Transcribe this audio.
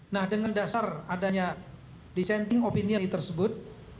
nah dengan dasar adanya dissenting opinion tersebut